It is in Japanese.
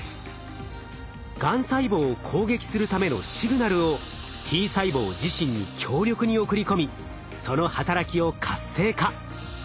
がん細胞を攻撃するためのシグナルをＴ細胞自身に強力に送り込みその働きを活性化。